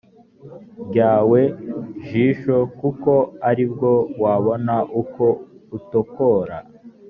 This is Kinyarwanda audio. ryawe jisho kuko ari bwo wabona uko utokora